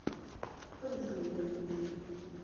ښکلې سندرې نیسي